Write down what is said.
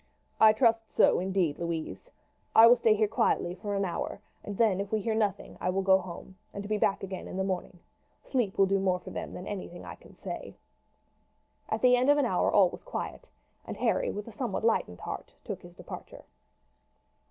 "I trust so indeed, Louise. I will stay here quietly for an hour, and then if we hear nothing I will go home, and be back again in the morning. Sleep will do more for them than anything I can say." At the end of an hour all was still quiet, and Harry with a somewhat lightened heart took his departure.